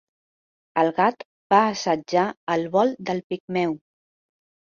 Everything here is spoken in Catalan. El gat va assetjar el vol del pigmeu.